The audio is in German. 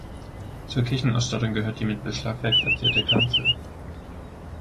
Zur Kirchenausstattung gehört die mit Beschlagwerk verzierte Kanzel.